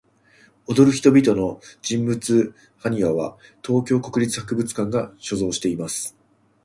踊る人々の人物埴輪は、東京国立博物館が所蔵しています。